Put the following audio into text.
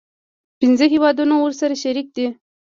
پنځه هیوادونه ورسره شریک دي.